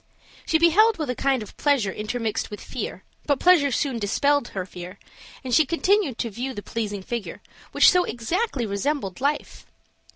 She beheld with a kind of pleasure intermixed with fear, but pleasure soon dispelled her fear, and she continued to view the pleasing figure, which so exactly resembled life.